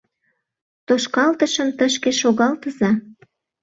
Тошкалтышым тышке шогалтыза!